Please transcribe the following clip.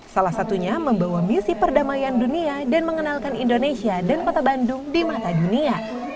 salah satunya membawa misi perdamaian dunia dan mengenalkan indonesia dan kota bandung di mata dunia